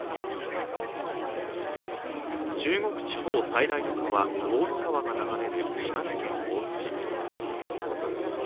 中国地方最大の川江の川が流れる島根県江津市。